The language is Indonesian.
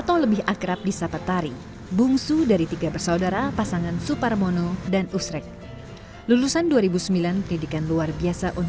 ketidaksempurnaan saya akhirnya berubah rupa sebagai wujud syukur kepada allah swt